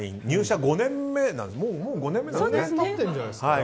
入社５年目なんです。